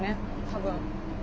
多分。